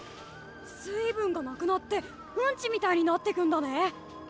水分がなくなってウンチみたいになってくんだね。